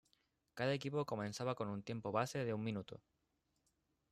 Cada equipo comenzaba con un tiempo base de un minuto.